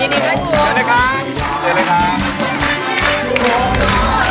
ยินดีใบ้ตัว